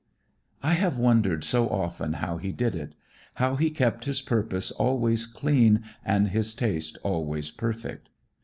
I have wondered so often how he did it. How he kept his purpose always clean and his taste always perfect.